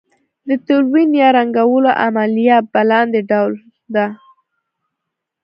د تلوین یا رنګولو عملیه په لاندې ډول ده.